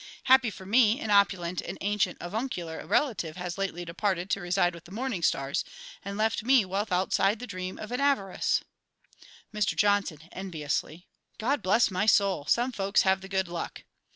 Happily for me, an opulent and ancient avuncular relative has lately departed to reside with the morning stars, and left me wealth outside the dream of an avaricious! Mr Johnson (enviously). God bless my soul! Some folks have the good luck.